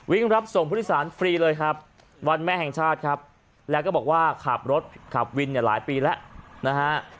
รับส่งผู้โดยสารฟรีเลยครับวันแม่แห่งชาติครับแล้วก็บอกว่าขับรถขับวินเนี่ยหลายปีแล้วนะฮะ